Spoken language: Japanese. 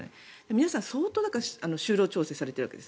皆さん相当就労調整されているわけです。